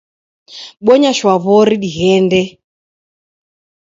Bonya shwaw'ori dighende.